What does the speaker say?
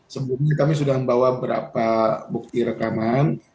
sebelumnya kami sudah membawa beberapa bukti rekaman